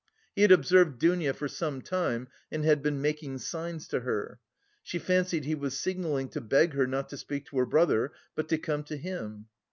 He had observed Dounia for some time and had been making signs to her. She fancied he was signalling to beg her not to speak to her brother, but to come to him.